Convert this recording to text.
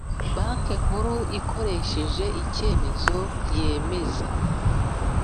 Banki Nkuru ikoresheje icyemezo yemeza